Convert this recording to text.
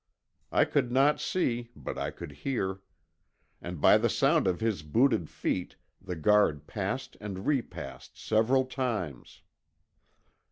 I could not see, but I could hear. And by the sound of his booted feet the guard passed and repassed several times.